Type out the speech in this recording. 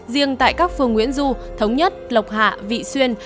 riêng tại các phường nguyễn du thống nhất lộc hạ vị xuyên